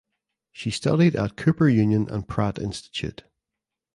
She studied at Cooper Union and Pratt Institute.